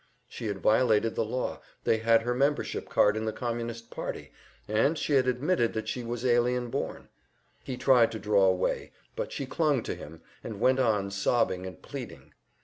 She had violated the law, they had her membership card in the Communist Party, and she had admitted that she was alien born. He tried to draw away, but she clung to him, and went on sobbing and pleading.